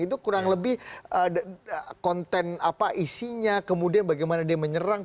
itu kurang lebih konten apa isinya kemudian bagaimana dia menyerang